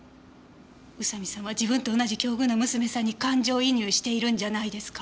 宇佐見さんは自分と同じ境遇の娘さんに感情移入しているんじゃないですか？